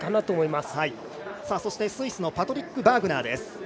続いてスイスのパトリック・バーグナーです。